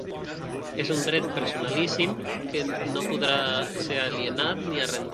És un dret personalíssim que no podrà ser alienat ni arrendat.